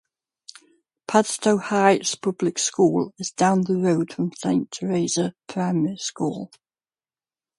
Padstow Heights Public School is down the road from Saint Therese Primary School.